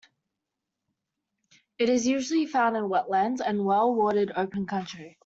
It is usually found in wetlands and well-watered open country.